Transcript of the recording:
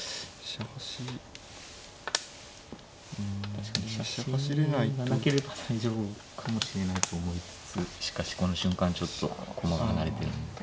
確かに飛車走りがなければ大丈夫かもしれないと思いつつしかしこの瞬間ちょっと駒が離れてるんで。